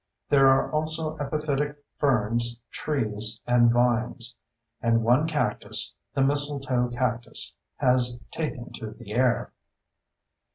There are also epiphytic ferns, trees, and vines; and one cactus, the mistletoe cactus, has taken to the air.